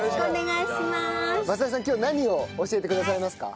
今日は何を教えてくださいますか？